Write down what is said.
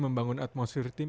membangun atmosfer tim